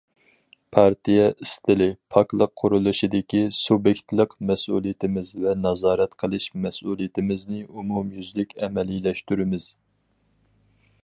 پارتىيە ئىستىلى- پاكلىق قۇرۇلۇشىدىكى سۇبيېكتلىق مەسئۇلىيىتىمىز ۋە نازارەت قىلىش مەسئۇلىيىتىمىزنى ئومۇميۈزلۈك ئەمەلىيلەشتۈرىمىز.